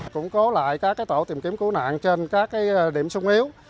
củng cố lại các tổ tìm kiếm cứu nạn trên các điểm sung yếu